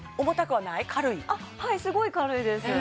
はいすごい軽いです